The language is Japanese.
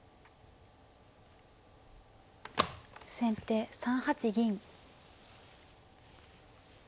先手３八銀。